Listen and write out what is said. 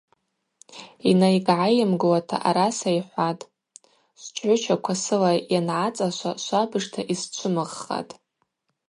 Йнайггӏайымгуата араса йхӏватӏ: –Швчгӏвычаква сыла йангӏацӏашва швабыжта йсчвымыгъхатӏ.